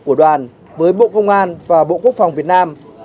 của đoàn với bộ công an và bộ quốc phòng việt nam